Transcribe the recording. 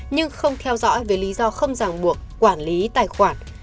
nhưng không theo dõi vì lý do không giảng buộc quản lý tài khoản